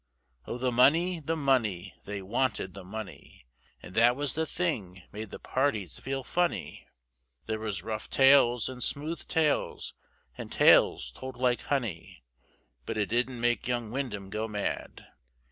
Oh, the money, the money, they wanted the money, And that was the thing made the parties feel funny, There was rough tales, and smooth tales, and tales told like honey, But it didn't make young Windham go mad.